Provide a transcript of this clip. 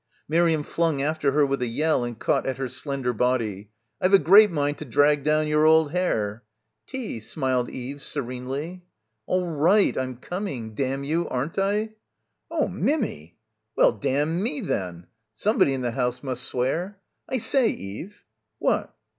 Miriam flung after her with a yell and caught at her slender body. "I've a great mind to drag down your old hair." "Tea," smiled Eve serenely. "All right, I'm coming, damn you, aren't I?" "Oh, Mimmy !" "Well, damn me, then. Somebody in the house must swear. I say, Eve?" "What?"